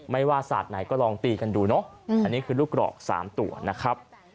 ไม่ว่าศาสตร์ไหนก็ลองตีกันดูเนอะอันนี้คือลูกกรอก๓ตัวนะครับ